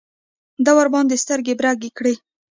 ده ورباندې سترګې برګې کړې.